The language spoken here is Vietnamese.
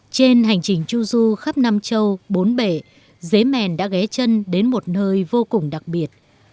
trên hành trình chu du khắp nam châu bốn bể dế mèn đã ghé chân đến một nơi vô cùng đặc biệt